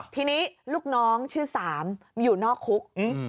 ทีนี้ลูกน้องชื่อ๓อยู่นอกคุก